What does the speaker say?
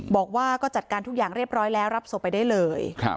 บอกว่าก็จัดการทุกอย่างเรียบร้อยแล้วรับศพไปได้เลย